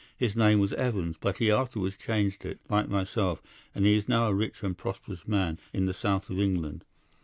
His name was Evans, but he afterwards changed it, like myself, and he is now a rich and prosperous man in the south of England.